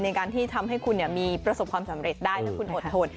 ในการที่ทำให้คุณมีประสบความสำเร็จได้ถ้าคุณอดทน